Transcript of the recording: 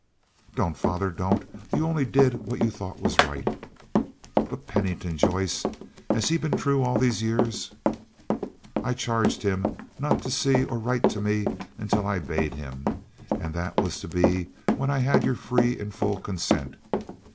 "Don't, father, don't, you only did what you thought was right." "But Pennington, Joyce—has he been true all these years?" "I charged him not to see or write to me until I bade him, and that was to be when I had your free and full consent.